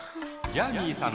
「ジャーニーさん